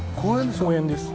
公園です。